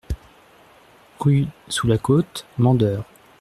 Rue sous la Côte, Mandeure